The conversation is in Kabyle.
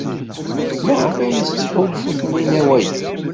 Maɣef ay tettḥulfu Taninna i waya?